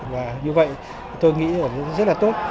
và như vậy tôi nghĩ là rất là tốt